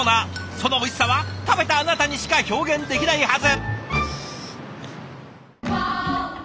そのおいしさは食べたあなたにしか表現できないはず。